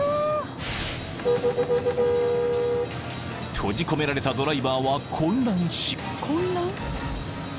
［閉じ込められたドライバーは混乱し］